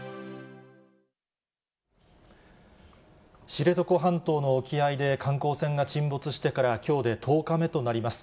知床半島の沖合で観光船が沈没してから、きょうで１０日目となります。